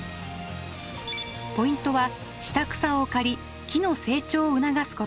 ポイントは下草を刈り木の成長を促すこと。